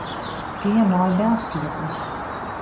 Gean nei belskiednis.